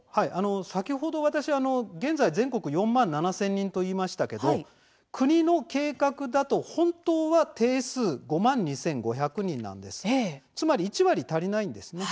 先ほど、現在、全国に４万７０００人と言いましたが国の計画だと本当は定数が５万２５００人つまり１割足りないんです。